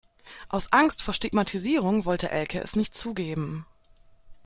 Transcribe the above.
Aus Angst vor Stigmatisierung wollte Elke es nicht zugeben.